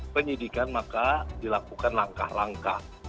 penyidikan maka dilakukan langkah langkah